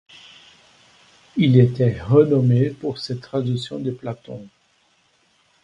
Il était renommé pour ses traductions de Platon.